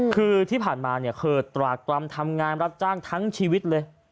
คือที่ผ่านมาเนี่ยเคยตรากรรมทำงานรับจ้างทั้งชีวิตเลย